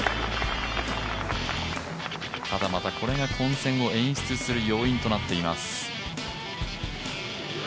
ただ、これが混戦を演出する要因となっています。